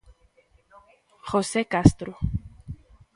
José Castro.